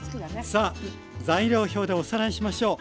さあ材料表でおさらいしましょう。